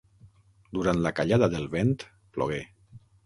Durant la callada del vent, plogué.